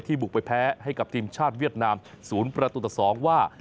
ที่บุกไปแพ้ให้กับทีมชาติเวียดนามศูนย์ประตูตะ๒ว่า